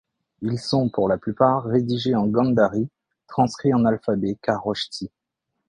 Ils sont pour la plupart rédigés en gandhari transcrit en alphabet kharoshthi.